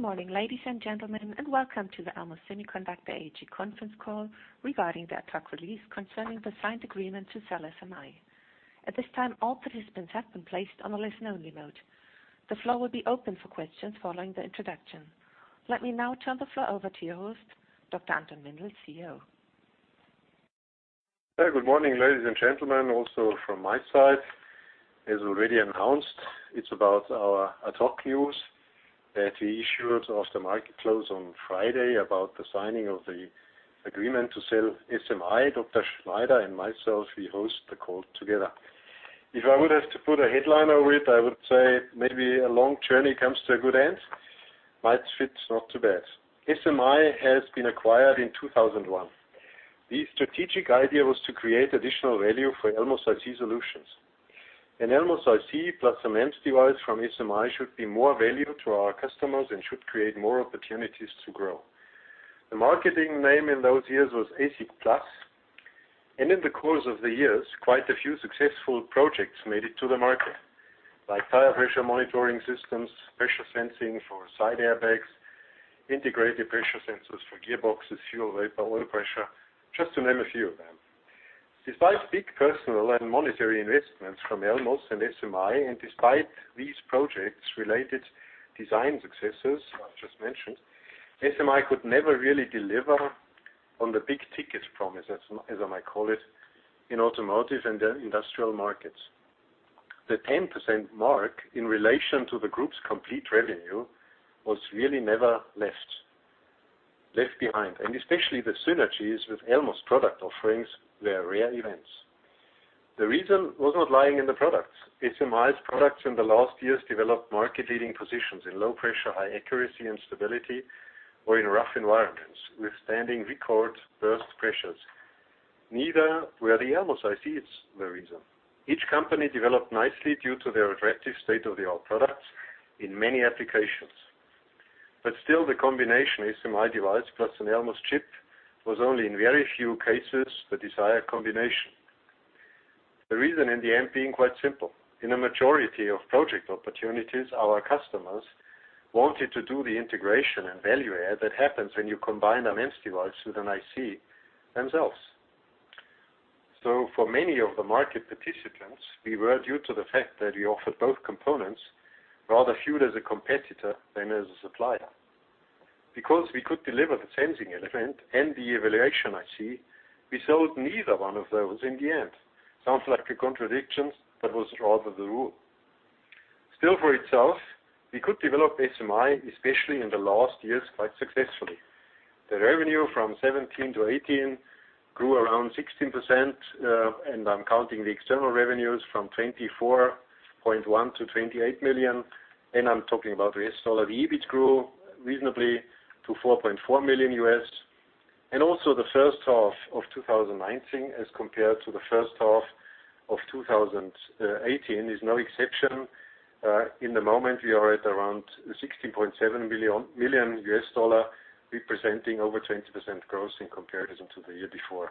Good morning, ladies and gentlemen, and welcome to the Elmos Semiconductor AG conference call regarding the ad hoc release concerning the signed agreement to sell SMI. At this time, all participants have been placed on a listen only mode. The floor will be open for questions following the introduction. Let me now turn the floor over to your host, Dr. Anton Mindl, CEO. Hey, good morning, ladies and gentlemen, also from my side. As already announced, it's about our ad hoc news that we issued after market close on Friday about the signing of the agreement to sell SMI. Dr. Schneider and myself, we host the call together. If I would have to put a headline over it, I would say maybe a long journey comes to a good end. Might fit not too bad. SMI has been acquired in 2001. The strategic idea was to create additional value for Elmos IC solutions. An Elmos IC plus a MEMS device from SMI should be more value to our customers and should create more opportunities to grow. The marketing name in those years was ASIC Plus. In the course of the years, quite a few successful projects made it to the market, like tire pressure monitoring systems, pressure sensing for side airbags, integrated pressure sensors for gearboxes, fuel vapor, oil pressure, just to name a few of them. Despite big personal and monetary investments from Elmos and SMI, despite these projects related design successes I've just mentioned, SMI could never really deliver on the big ticket promise, as I might call it, in automotive and industrial markets. The 10% mark in relation to the group's complete revenue was really never left behind. Especially the synergies with Elmos product offerings were rare events. The reason was not lying in the products. SMI's products in the last years developed market leading positions in low pressure, high accuracy, and stability, or in rough environments, withstanding record burst pressures. Neither were the Elmos ICs the reason. Each company developed nicely due to their attractive state-of-the-art products in many applications. Still, the combination SMI device plus an Elmos chip was only in very few cases the desired combination. The reason in the end being quite simple. In a majority of project opportunities, our customers wanted to do the integration and value add that happens when you combine a MEMS device with an IC themselves. For many of the market participants, we were, due to the fact that we offered both components, rather viewed as a competitor than as a supplier. Because we could deliver the sensing element and the evaluation IC, we sold neither one of those in the end. Sounds like a contradiction, but was rather the rule. Still, for itself, we could develop SMI, especially in the last years, quite successfully. The revenue from 2017 to 2018 grew around 16%. I'm counting the external revenues from $24.1 million-$28 million, and I'm talking about US dollar. The EBIT grew reasonably to $4.4 million. Also the first half of 2019 as compared to the first half of 2018 is no exception. In the moment, we are at around $16.7 million, representing over 20% growth in comparison to the year before.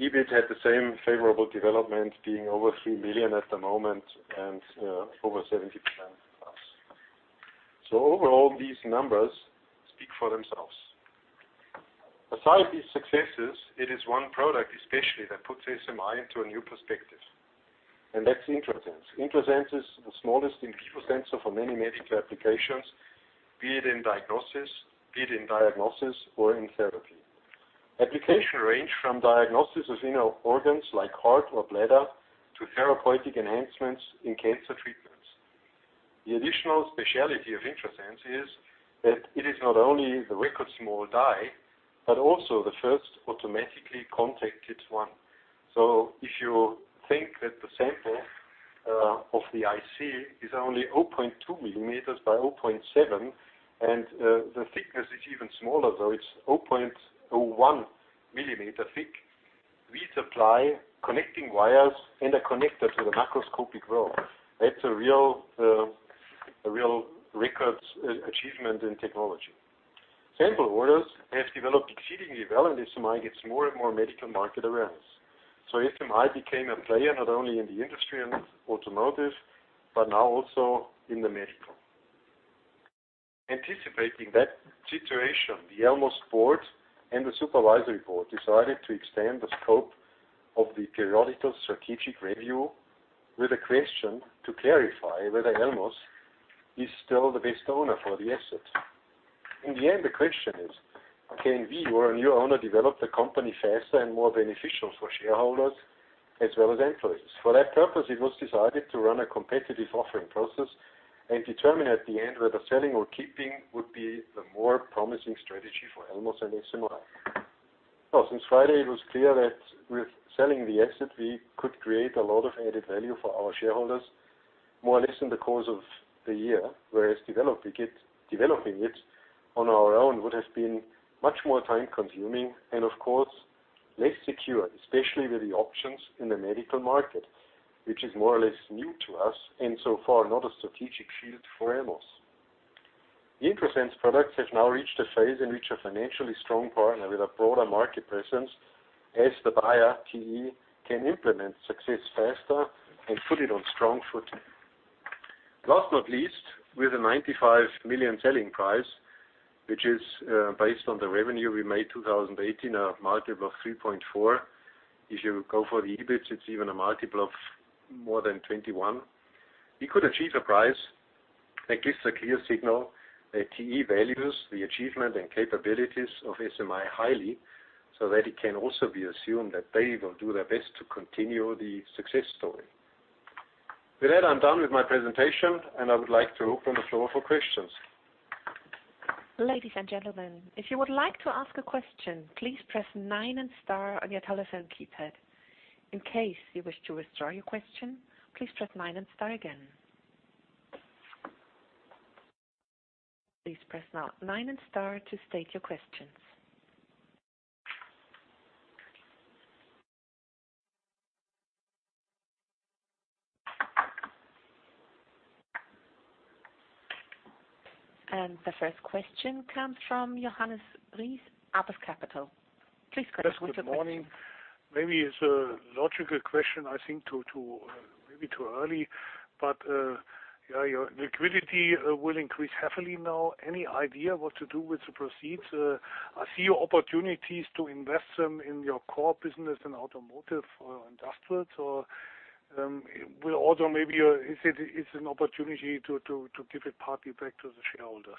EBIT had the same favorable development, being over $3 million at the moment and over 70% plus. Overall, these numbers speak for themselves. Aside these successes, it is one product especially that puts SMI into a new perspective. That's Introsense. Introsense is the smallest in vivo sensor for many medical applications, be it in diagnosis or in therapy. Application range from diagnosis of inner organs like heart or bladder, to therapeutic enhancements in cancer treatments. The additional specialty of Introsense is that it is not only the record small die, but also the first automatically contacted one. If you think that the sample of the IC is only 0.2 millimeters by 0.7, and the thickness is even smaller, though, it's 0.01 millimeter thick. We supply connecting wires and a connector to the macroscopic world. That's a real record achievement in technology. Sample orders have developed exceedingly well, and SMI gets more and more medical market awareness. SMI became a player not only in the industry and automotive, but now also in the medical. Anticipating that situation, the Elmos board and the supervisory board decided to extend the scope of the periodical strategic review with a question to clarify whether Elmos is still the best owner for the asset. In the end, the question is, can we or a new owner develop the company faster and more beneficial for shareholders as well as employees? For that purpose, it was decided to run a competitive offering process and determine at the end whether selling or keeping would be the more promising strategy for Elmos and SMI. Well, since Friday, it was clear that with selling the asset, we could create a lot of added value for our shareholders, more or less in the course of the year. Whereas developing it on our own would have been much more time-consuming and, of course, less secure, especially with the options in the medical market, which is more or less new to us, and so far, not a strategic field for Elmos. The Introsense products have now reached a phase in which a financially strong partner with a broader market presence. As the buyer, TE can implement success faster and put it on strong footing. Last not least, with a 95 million selling price, which is based on the revenue we made 2018, a multiple of 3.4. If you go for the EBIT, it's even a multiple of more than 21. We could achieve the price. That gives a clear signal that TE values the achievement and capabilities of SMI highly, so that it can also be assumed that they will do their best to continue the success story. With that, I'm done with my presentation, and I would like to open the floor for questions. Ladies and gentlemen, if you would like to ask a question, please press nine and star on your telephone keypad. In case you wish to withdraw your question, please press nine and star again. Please press nine and star to state your questions. The first question comes from Johannes Ries, Apus Capital. Please go ahead with your question. Yes. Good morning. Maybe it's a logical question, I think maybe too early. Your liquidity will increase heavily now. Any idea what to do with the proceeds? I see opportunities to invest them in your core business in automotive or industrial. Maybe it's an opportunity to give a part back to the shareholders.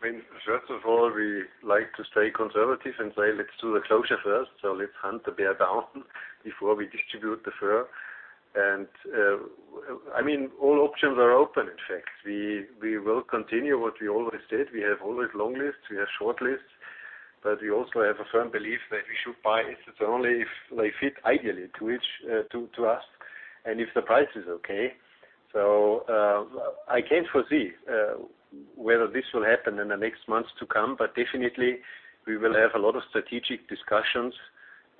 First of all, we like to stay conservative and say, let's do the closure first. Let's hunt the bear down before we distribute the fur, and all options are open, in fact. We will continue what we always did. We have always long lists. We have short lists, but we also have a firm belief that we should buy assets only if they fit ideally to us, and if the price is okay. I can't foresee whether this will happen in the next months to come, but definitely, we will have a lot of strategic discussions,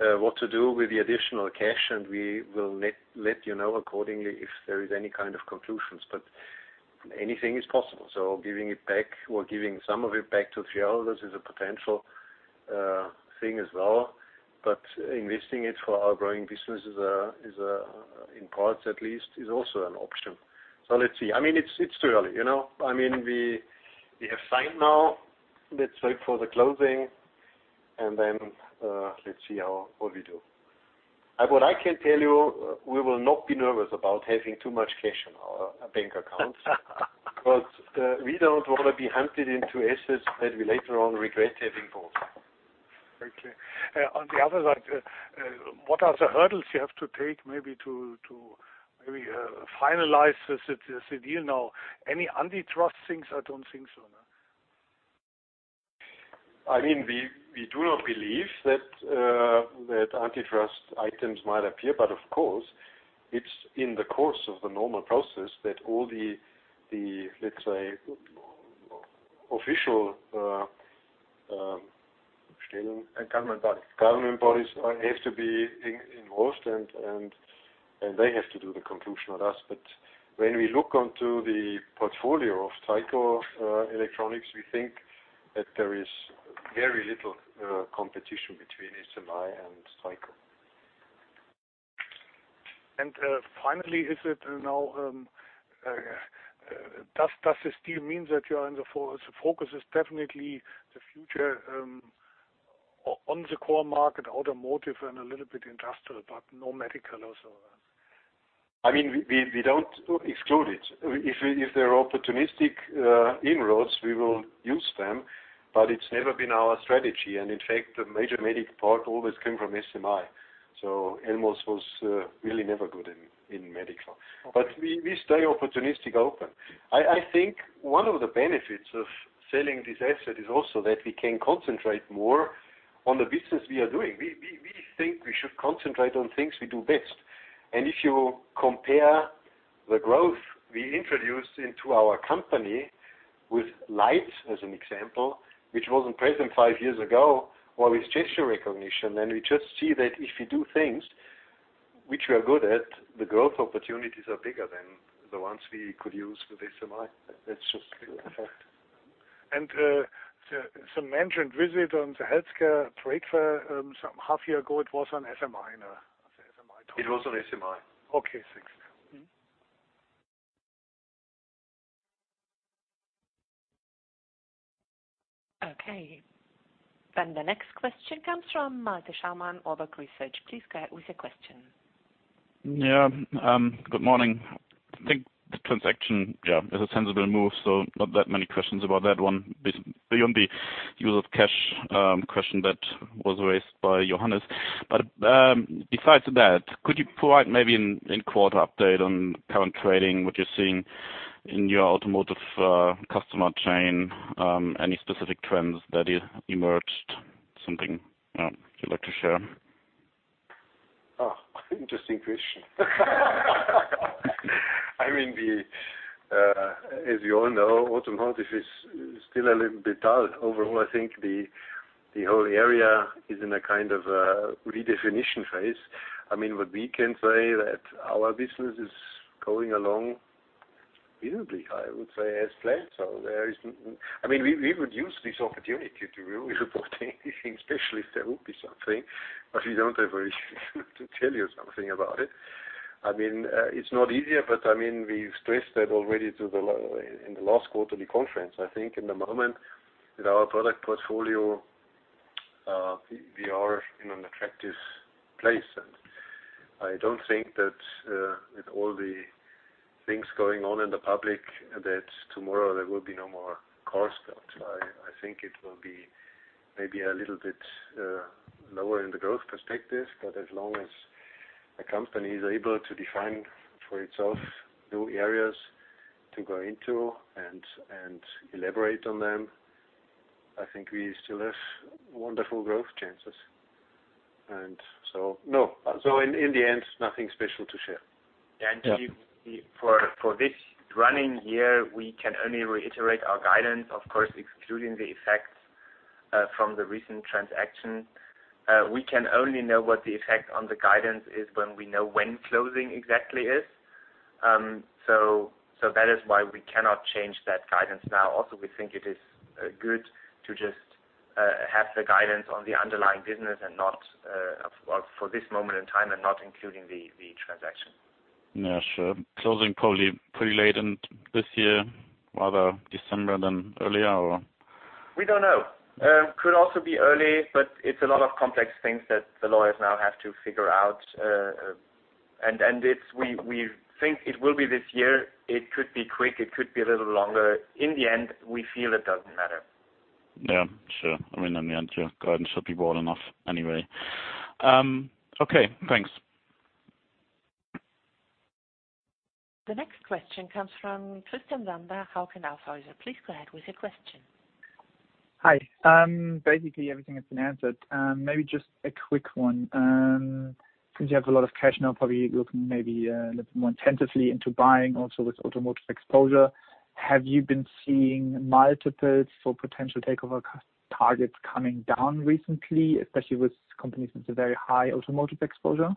what to do with the additional cash, and we will let you know accordingly if there is any kind of conclusions. Anything is possible. Giving it back or giving some of it back to shareholders is a potential thing as well. Investing it for our growing business, in parts at least, is also an option. Let's see. It's too early. We have signed now. Let's wait for the closing, and then let's see what we do. What I can tell you, we will not be nervous about having too much cash in our bank accounts, because we don't want to be hunted into assets that we later on regret having bought. On the other side, what are the hurdles you have to take maybe to finalize this deal now? Any antitrust things? I don't think so, no. We do not believe that antitrust items might appear, but of course, it's in the course of the normal process that all the, let's say. Government bodies. government bodies have to be involved, and they have to do the conclusion with us. When we look onto the portfolio of Tyco Electronics, we think that there is very little competition between SMI and Tyco. Finally, does this deal mean that the focus is definitely the future on the core market, automotive, and a little bit industrial, but no medical also? We don't exclude it. If there are opportunistic inroads, we will use them, but it's never been our strategy, and in fact, the major medical part always came from SMI. Elmos was really never good in medical. Okay. We stay opportunistic open. I think one of the benefits of selling this asset is also that we can concentrate more on the business we are doing. We think we should concentrate on things we do best. If you compare the growth we introduced into our company with lights, as an example, which wasn't present five years ago, or with gesture recognition, we just see that if we do things which we are good at, the growth opportunities are bigger than the ones we could use with SMI. That's just a clear fact. Some mentioned visit on the healthcare trade fair some half year ago, it was on SMI, no? As SMI total. It was on SMI. Okay, thanks. Okay. The next question comes from Malte Schaumann, Baader Research. Please go ahead with your question. Yeah, good morning. I think the transaction is a sensible move. Not that many questions about that one beyond the use of cash question that was raised by Johannes. Besides that, could you provide maybe in quarter update on current trading, what you're seeing in your automotive customer chain? Any specific trends that emerged, something you'd like to share? Oh, interesting question. As you all know, automotive is still a little bit dull. Overall, I think the whole area is in a kind of a redefinition phase. What we can say that our business is going along visibly, I would say as planned. We would use this opportunity to really report anything, especially if there will be something, but we don't have very to tell you something about it. It's not easier, but we've stressed that already in the last quarterly conference. I think in the moment, with our product portfolio, we are in an attractive place. I don't think that with all the things going on in the public, that tomorrow there will be no more car stocks. I think it will be maybe a little bit lower in the growth perspective, but as long as a company is able to define for itself new areas to go into and elaborate on them, I think we still have wonderful growth chances. No. In the end, nothing special to share. Yeah. For this running year, we can only reiterate our guidance, of course, excluding the effects from the recent transaction. We can only know what the effect on the guidance is when we know when closing exactly is. That is why we cannot change that guidance now. We think it is good to just have the guidance on the underlying business for this moment in time and not including the transaction. Yeah, sure. Closing probably pretty late this year, rather December than earlier, or? We don't know. Could also be early, but it's a lot of complex things that the lawyers now have to figure out. We think it will be this year. It could be quick, it could be a little longer. In the end, we feel it doesn't matter. Yeah. Sure. In the end, your guidance should be broad enough anyway. Okay, thanks. The next question comes from Tristan Zander, Hauck & Aufhäuser. Please go ahead with your question. Hi. Basically, everything has been answered. Maybe just a quick one. Since you have a lot of cash now, probably looking maybe a little more intensively into buying also with automotive exposure. Have you been seeing multiples for potential takeover targets coming down recently, especially with companies with a very high automotive exposure?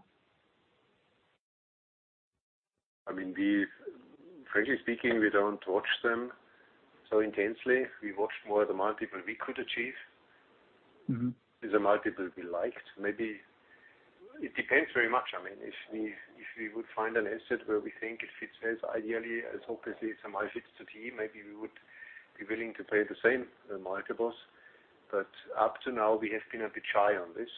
Franchise speaking, we don't watch them so intensely. We watch more the multiple we could achieve. Is a multiple we liked. Maybe it depends very much. If we would find an asset where we think it fits us ideally as obviously SMI fits to TE Connectivity, maybe we would be willing to pay the same multiples. Up to now we have been a bit shy on this.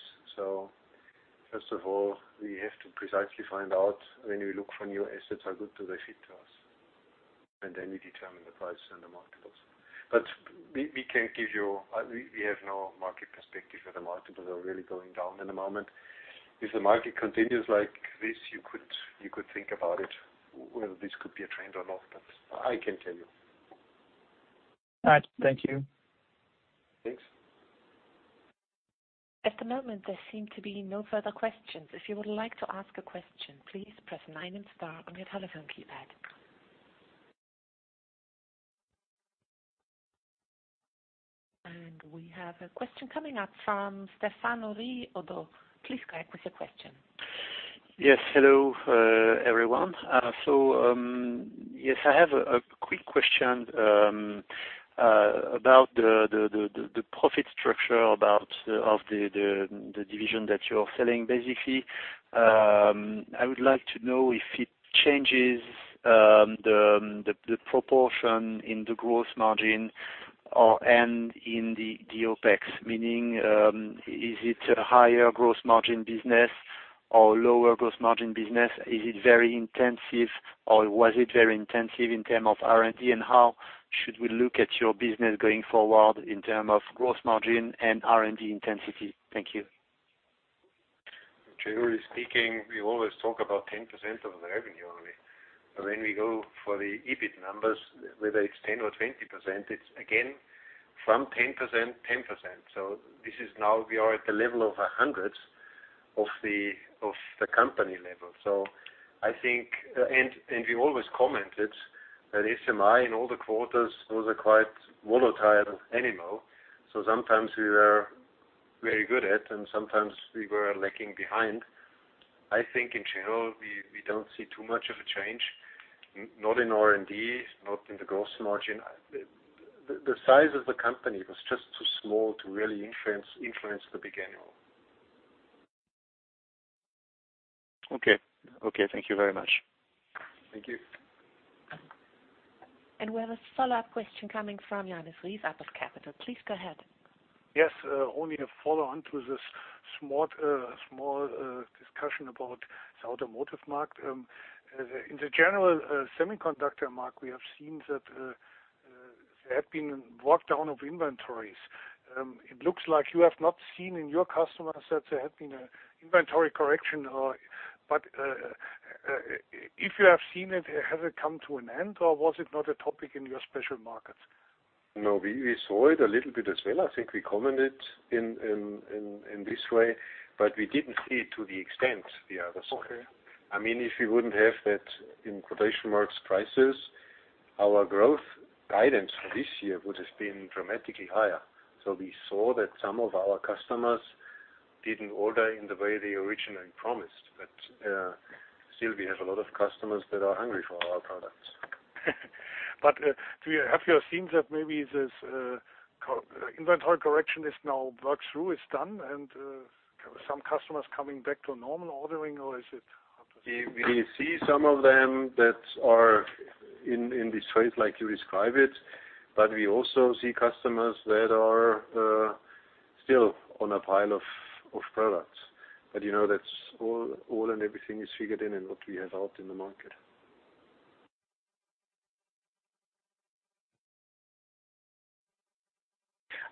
First of all, we have to precisely find out when we look for new assets, how good do they fit to us? We determine the price and the multiples. We have no market perspective that the multiples are really going down in the moment. If the market continues like this, you could think about it, whether this could be a trend or not, but I can't tell you. All right. Thank you. Thanks. At the moment, there seem to be no further questions. If you would like to ask a question, please press nine and star on your telephone keypad. We have a question coming up from Stephane Houri. Please go ahead with your question. Yes. Hello, everyone. Yes, I have a quick question about the profit structure of the division that you are selling. Basically, I would like to know if it changes the proportion in the gross margin and in the OPEX. Meaning, is it a higher gross margin business or lower gross margin business? Is it very intensive or was it very intensive in terms of R&D? How should we look at your business going forward in terms of gross margin and R&D intensity? Thank you. Generally speaking, we always talk about 10% of the revenue only. When we go for the EBIT numbers, whether it's 10% or 20%, it's again from 10%, 10%. This is now we are at the level of 100 of the company level. We always commented that SMI in all the quarters was a quite volatile animal. Sometimes we were very good at and sometimes we were lacking behind. I think in general, we don't see too much of a change, not in R&D, not in the gross margin. The size of the company was just too small to really influence the big animal. Okay. Thank you very much. Thank you. We have a follow-up question coming from Johannes Ries of Apus Capital. Please go ahead. Yes, only a follow-on to this small discussion about the automotive market. In the general semiconductor market, we have seen that there have been a breakdown of inventories. It looks like you have not seen in your customer set there have been an inventory correction. If you have seen it, has it come to an end or was it not a topic in your special markets? We saw it a little bit as well. I think we commented in this way, but we didn't see it to the extent the others saw. Okay. If we wouldn't have that in quotation marks, prices, our growth guidance for this year would have been dramatically higher. We saw that some of our customers didn't order in the way they originally promised. Still, we have a lot of customers that are hungry for our products. Have you seen that maybe this inventory correction is now worked through, it's done, and some customers coming back to normal ordering, or is it up to date? We see some of them that are in this phase like you describe it, but we also see customers that are still on a pile of products. That's all, and everything is figured in and what we have out in the market.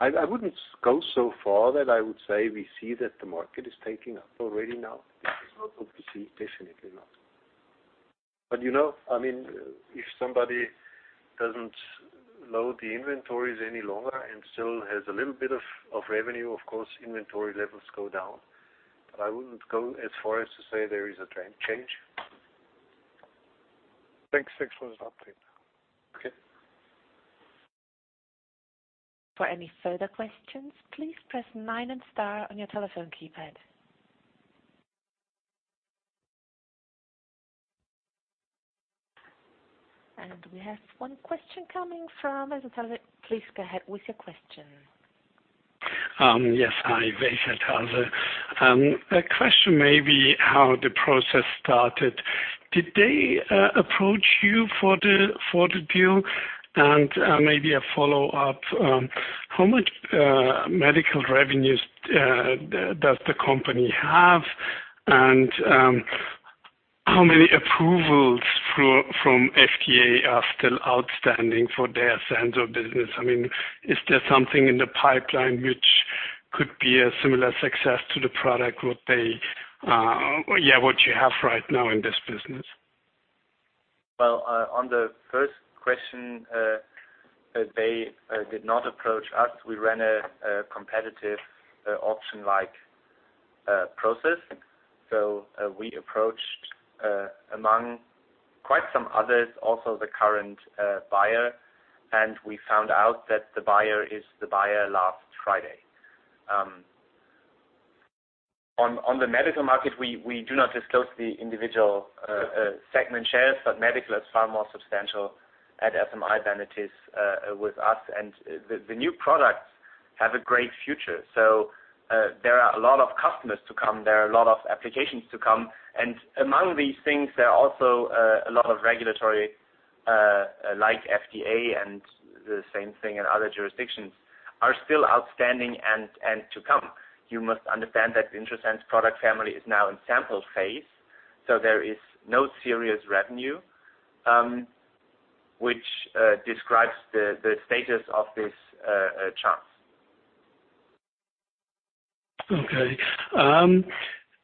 I wouldn't go so far that I would say we see that the market is taking up already now. Okay. Definitely not. If somebody doesn't load the inventories any longer and still has a little bit of revenue, of course, inventory levels go down. I wouldn't go as far as to say there is a trend change. Thanks for the update. Okay. For any further questions, please press nine and star on your telephone keypad. We have one question coming from, please go ahead with your question. Yes. Hi. A question may be how the process started. Did they approach you for the deal? Maybe a follow-up, how much medical revenues does the company have, and how many approvals from FDA are still outstanding for their sensor business? Is there something in the pipeline which could be a similar success to the product, what you have right now in this business? Well, on the first question, they did not approach us. We ran a competitive auction-like process. We approached, among quite some others, also the current buyer, and we found out that the buyer is the buyer last Friday. On the medical market, we do not disclose the individual segment shares, but medical is far more substantial at SMI than it is with us. The new products have a great future. There are a lot of customers to come, there are a lot of applications to come. Among these things, there are also a lot of regulatory, like FDA and the same thing in other jurisdictions, are still outstanding and to come. You must understand that the Introsense product family is now in sample phase, so there is no serious revenue, which describes the status of this chance. Okay.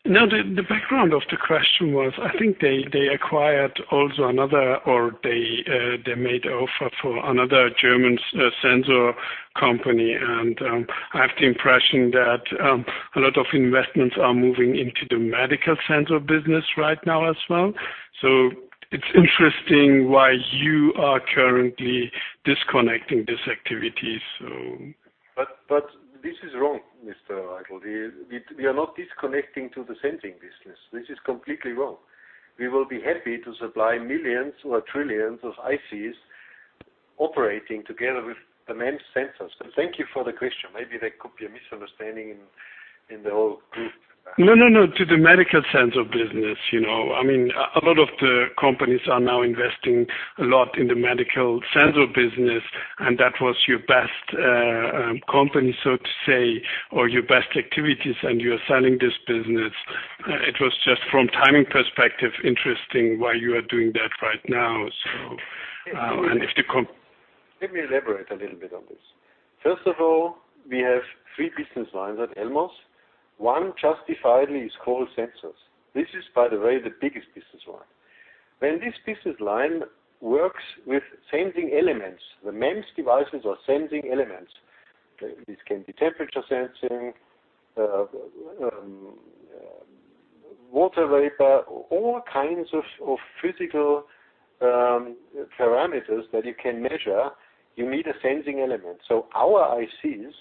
The background of the question was, I think they acquired also another, or they made offer for another German sensor company. I have the impression that a lot of investments are moving into the medical sensor business right now as well. It's interesting why you are currently disconnecting this activity. This is wrong, Mr. Eichel. We are not disconnecting to the sensing business. This is completely wrong. We will be happy to supply millions or trillions of ICs operating together with the main sensors. Thank you for the question. Maybe there could be a misunderstanding in the whole group. No, to the medical sensor business. A lot of the companies are now investing a lot in the medical sensor business, and that was your best company, so to say, or your best activities, and you're selling this business. It was just from timing perspective interesting why you are doing that right now. Let me elaborate a little bit on this. First of all, we have three business lines at Elmos. One, justifiably, is called sensors. This is, by the way, the biggest business line. When this business line works with sensing elements, the main devices are sensing elements. This can be temperature sensing, water vapor, all kinds of physical parameters that you can measure, you need a sensing element. Our ICs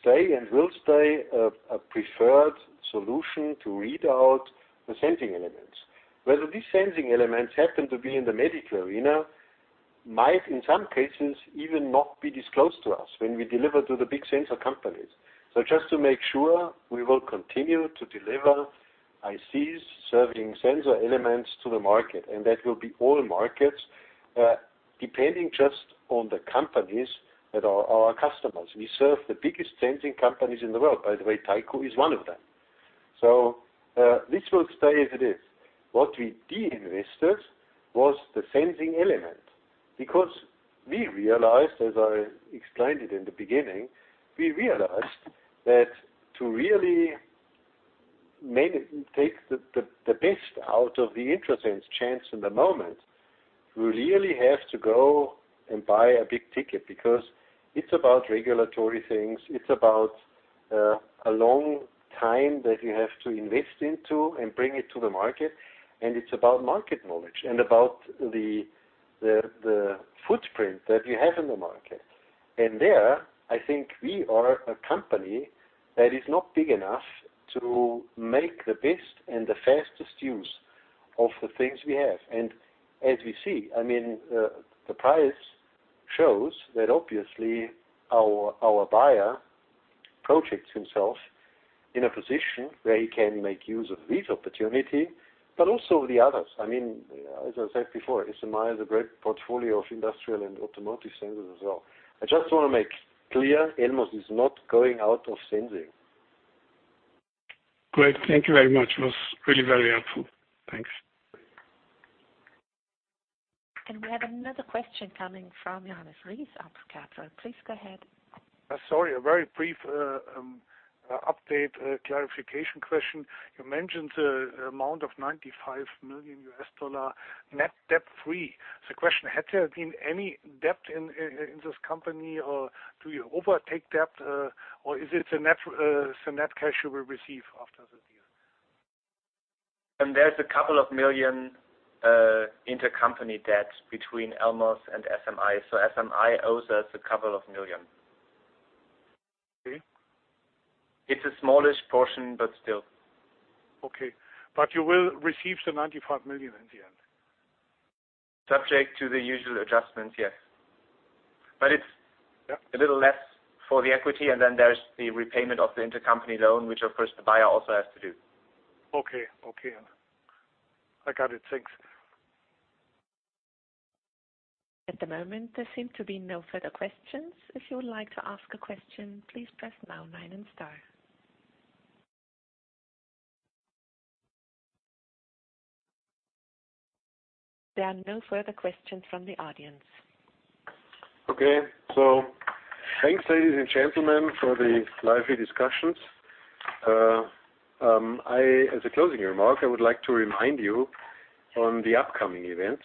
stay and will stay a preferred solution to read out the sensing elements. Whether these sensing elements happen to be in the medical arena, might, in some cases, even not be disclosed to us when we deliver to the big sensor companies. Just to make sure, we will continue to deliver ICs serving sensor elements to the market, and that will be all markets, depending just on the companies that are our customers. We serve the biggest sensing companies in the world. By the way, Tyco is one of them. This will stay as it is. What we de-invested was the sensing element. Because we realized, as I explained it in the beginning, we realized that to really take the best out of the Introsense chance in the moment, we really have to go and buy a big ticket because it's about regulatory things, it's about a long time that you have to invest into and bring it to the market, and it's about market knowledge and about the footprint that you have in the market. There, I think we are a company that is not big enough to make the best and the fastest use of the things we have. As we see, the price shows that obviously our buyer projects himself in a position where he can make use of this opportunity, but also the others. As I said before, SMI has a great portfolio of industrial and automotive sensors as well. I just want to make clear, Elmos is not going out of sensing. Great. Thank you very much. It was really very helpful. Thanks. We have another question coming from Johannes Ries, Apus Capital. Please go ahead. Sorry, a very brief update clarification question. You mentioned the amount of EUR 95 million net debt-free. Question, had there been any debt in this company, or do you overtake debt, or is it the net cash you will receive after the deal? There's a couple of million EUR intercompany debt between Elmos and SMI. SMI owes us a couple of million EUR. Okay. It's a smallish portion, but still. Okay. You will receive the 95 million in the end? Subject to the usual adjustments, yes. Yeah a little less for the equity, and then there's the repayment of the intercompany loan, which, of course, the buyer also has to do. Okay. I got it. Thanks. At the moment, there seem to be no further questions. If you would like to ask a question, please press star nine and star. There are no further questions from the audience. Okay. Thanks, ladies and gentlemen, for the lively discussions. As a closing remark, I would like to remind you on the upcoming events,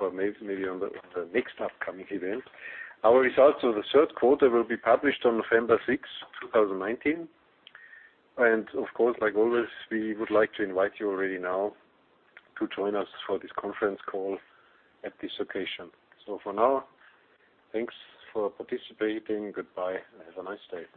or maybe on the next upcoming event. Our results of the third quarter will be published on November 6, 2019. Of course, like always, we would like to invite you already now to join us for this conference call at this occasion. For now, thanks for participating. Goodbye, and have a nice day.